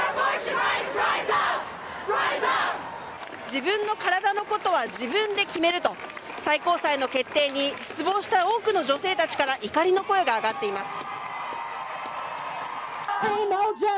自分の体のことは自分で決めると最高裁の決定に失望した多くの女性たちから怒りの声が上がっています。